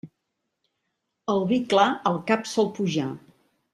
El vi clar al cap sol pujar.